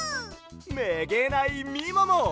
めげないみもも！